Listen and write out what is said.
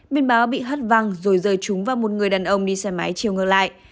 bên báo bị hất văng rồi rơi trúng vào một người đàn ông đi xe máy chiều ngược lại